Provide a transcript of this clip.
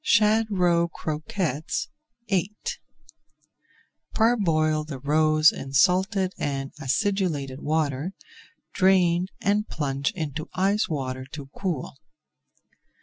SHAD ROE CROQUETTES VIII Parboil the roes in salted and acidulated water, drain, and plunge into ice water to cool.